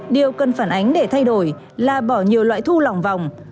điều cần phản ánh để thay đổi là bỏ nhiều loại thu lòng vòng